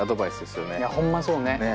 いやほんまそうね。